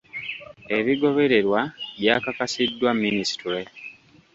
Ebigobererwa byakakasiddwa minisitule.